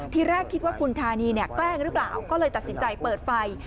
ทีแรกคิดว่าคุณธานีเนี่ยแกล้งหรือเปล่าก็เลยตัดสินใจเปิดไฟ